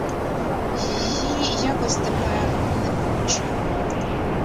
Її якось тепер не помічали.